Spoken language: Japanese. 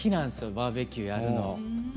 バーベキューやるの。